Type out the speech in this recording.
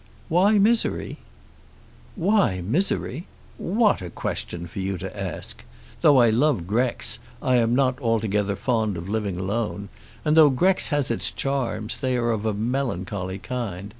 "Why misery?" "Why misery! What a question for you to ask! Though I love Grex, I am not altogether fond of living alone; and though Grex has its charms, they are of a melancholy kind.